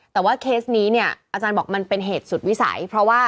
แต่ว่าเคสนี้อาจารย์บอกมันเป็นเหตุสุดวิสัย